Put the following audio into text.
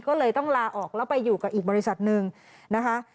ก็เลยต้องลาออกแล้วไปอยู่กับอีกบริษัทหนึ่งนะคะ